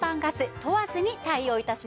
問わずに対応致します。